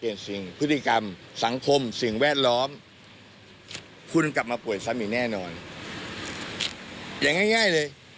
อย่างง่ายเลย